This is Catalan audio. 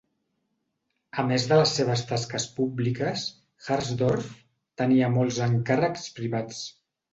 A més de les seves tasques públiques, Harsdorff tenia molts encàrrecs privats.